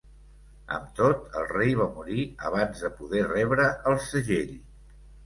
Amb tot, el rei va morir abans de poder rebre el segell.